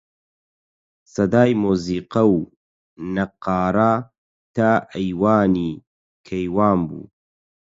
سەدای مۆزیقە و نەققارە تا ئەیوانی کەیوان بوو